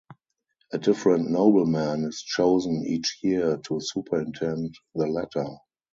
A different nobleman is chosen each year to superintend the latter.